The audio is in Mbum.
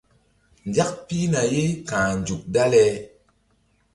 Nzak pihna ye ka̧h nzuk dale.